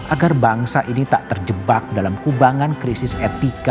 agar bangsa ini tak terjebak dalam kubangan krisis etika